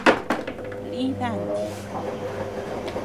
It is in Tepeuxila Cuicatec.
Lï danti.